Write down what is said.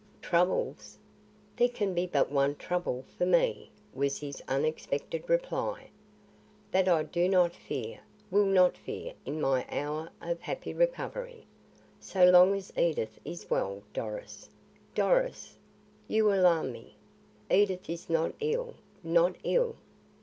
"Troubles? There can be but one trouble for me," was his unexpected reply. "That I do not fear will not fear in my hour of happy recovery. So long as Edith is well Doris! Doris! You alarm me. Edith is not ill; not ill?"